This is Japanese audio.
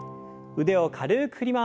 腕を軽く振ります。